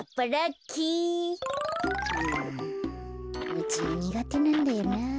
うつのにがてなんだよな。